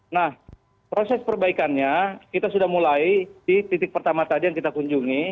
nah proses perbaikannya kita sudah mulai di titik pertama tadi yang kita kunjungi